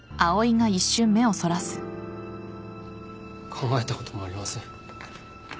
考えたこともありません。